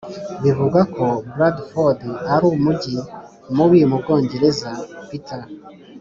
bivugwa ko bradford ari umujyi mubi mu bwongereza. peterr